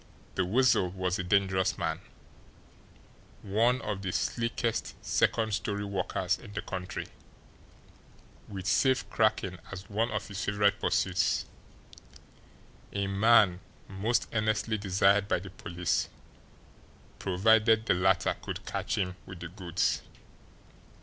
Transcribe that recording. The Weasel was a dangerous man, one of the slickest second story workers in the country, with safe cracking as one of his favourite pursuits, a man most earnestly desired by the police, provided the latter could catch him "with the goods."